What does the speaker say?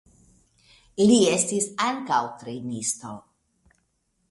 Li estis ankaŭ trejnisto.